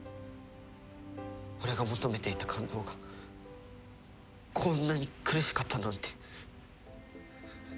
俺が求めていた感動がこんなに苦しかったなんて。